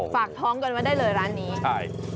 ฝากท้องกันมาได้เลยร้านนี้